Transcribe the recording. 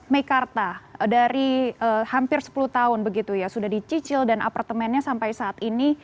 mekarta dari hampir sepuluh tahun begitu ya sudah dicicil dan apartemennya sampai saat ini